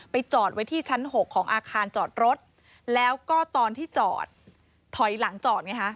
จอดไว้ที่ชั้น๖ของอาคารจอดรถแล้วก็ตอนที่จอดถอยหลังจอดไงฮะ